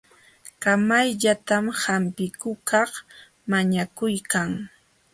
Kamayllatam hampikuqkaq mañakuykan.